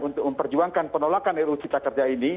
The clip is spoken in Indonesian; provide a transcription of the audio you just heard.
untuk memperjuangkan penolakan ru cipta kerja ini